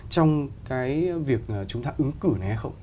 trong cái việc chúng ta ứng cử này hay không